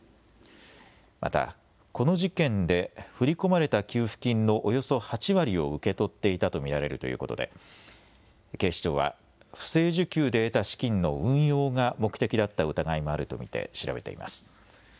またこの事件で振り込まれた給付金のおよそ８割を受け取っていたと見られるということで警視庁は不正受給で得た資金の運用が目的だった疑いもあると見て調べています。